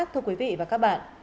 thưa quý vị và các bạn